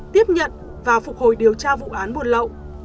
tiếp nhận và phục hồi điều tra vụ án buôn lộ